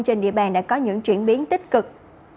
trên địa bàn đã có những chuyển biến tích cực